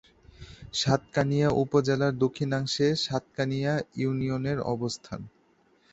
সাতকানিয়া উপজেলার দক্ষিণাংশে সাতকানিয়া ইউনিয়নের অবস্থান।